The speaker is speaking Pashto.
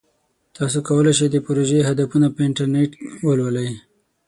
تاسو کولی شئ د پروژې هدفونه په انټرنیټ ولولئ.